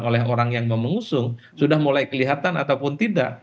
oleh orang yang mengusung sudah mulai kelihatan ataupun tidak